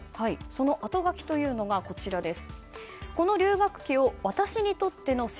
その、後書きというのがこちらです。